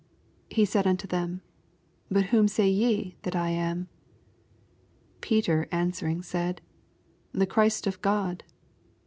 20 He said unto them, Bat whom say ye that I am ? Peter answering sud, The Christ of God.